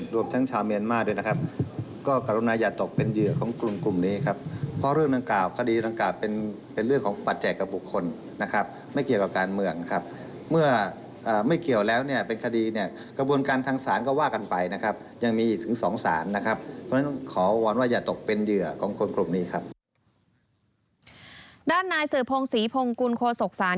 ด้านนายสื่อพงศรีพงศ์กูลโฆษกษาน